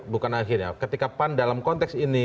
bukan akhirnya ketika pan dalam konteks ini